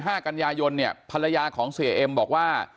ห้ากันยายนเนี่ยภรรยาของเสียเอ็มบอกว่า